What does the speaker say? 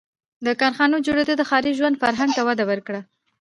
• د کارخانو جوړېدو د ښاري ژوند فرهنګ ته وده ورکړه.